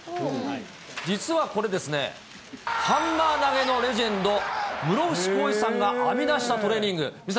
実はこれ、ハンマー投げのレジェンド、室伏広治さんが編み出したトレーニング。